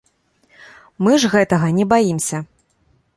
Мы ж гэтага не баімся.